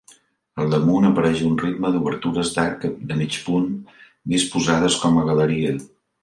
Al damunt apareix un ritme d'obertures d'arc de mig punt disposades com a galeria.